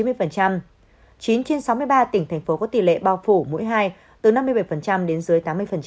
chín trên sáu mươi ba tỉnh thành phố có tỷ lệ bao phủ mỗi hai từ năm mươi bảy đến dưới tám mươi